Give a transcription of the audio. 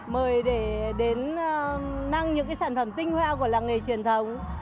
mời để đến năng những sản phẩm tinh hoa của làng nghề truyền thống